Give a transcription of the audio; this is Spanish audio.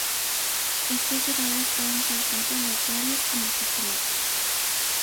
Estos errores pueden ser tanto aleatorios como sistemáticos.